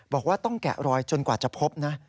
บอกว่าต้องแกะรอยจนกว่าจะพบนะ